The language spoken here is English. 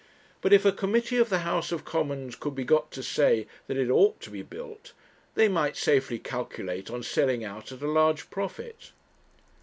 But if a committee of the House of Commons could be got to say that it ought to be built, they might safely calculate on selling out at a large profit.